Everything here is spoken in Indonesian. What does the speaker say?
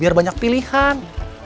biar banyak pilihan